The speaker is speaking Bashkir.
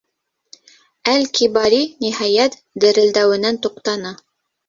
Әл-Кибари, ниһайәт, дерелдәүенән туҡтаны.